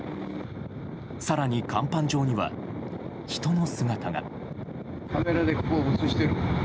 更に、甲板上には人の姿が。